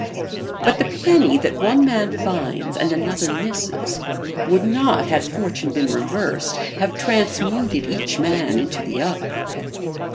But the penny that one man finds and another misses would not, had fortune been reversed, have transmuted each man into the other.